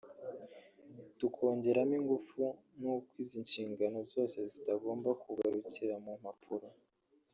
tukongeramo ingufu ni uko izi nshingano zose zitagomba kugarukira mu mpapuro